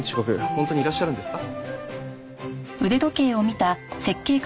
本当にいらっしゃるんですか？